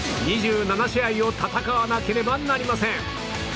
２７試合を戦わなければなりません。